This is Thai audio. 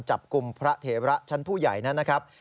จับกลุ่มพระเถระชั้นผู้ใหญ่นั้นนะครับ